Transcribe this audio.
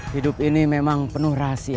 hidup ini memang penuh rahasia